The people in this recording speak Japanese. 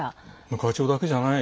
会長だけじゃない。